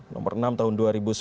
nomor enam tahun dua ribu sembilan